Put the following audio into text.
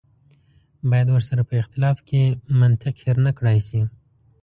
باید ورسره په اختلاف کې منطق هېر نه کړای شي.